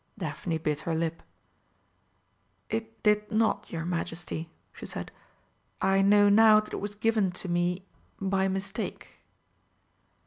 Daphne bit her lip. "It did not, your Majesty," she said; "I know now that it was given to me by mistake."